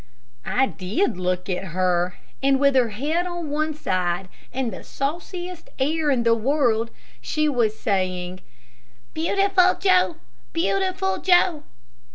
I did look at her, and with her head on one side, and the sauciest air in the world, she was saying: "Beau ti ful Joe, Beau ti ful Joe!"